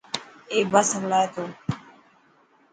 اي بس هلائي تو.